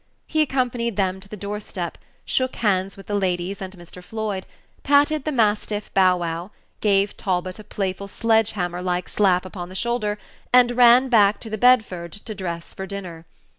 He accompanied them to the door step, shook hands with the ladies and Mr. Floyd, patted the mastiff Bow wow, gave Talbot a playful sledge hammer like slap upon the shoulder, and ran back to the Bedford to dress for dinner.